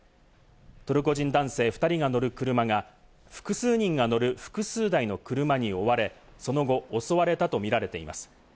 トルコ人男性２人が乗る車が複数人が乗る複数台の車に追われ、その後、襲われたとみられています。